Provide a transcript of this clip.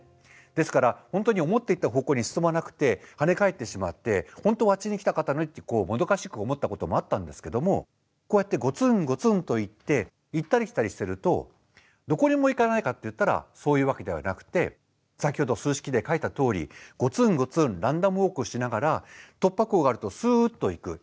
ですから本当に思っていた方向に進まなくて跳ね返ってしまって本当はあっちに行きたかったのにってもどかしく思ったこともあったんですけどもこうやってゴツンゴツンといって行ったり来たりしてるとどこにも行かないかっていったらそういうわけではなくて先ほど数式で書いたとおりゴツンゴツンランダムウォークしながら突破口があるとすっと行く。